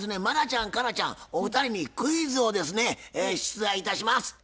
茉奈ちゃん佳奈ちゃんお二人にクイズをですね出題いたします。